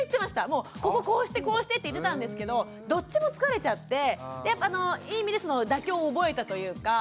もうこここうしてこうしてって言ってたんですけどどっちも疲れちゃっていい意味で妥協を覚えたというか。